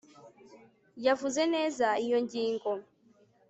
yavuze neza iyo ngingo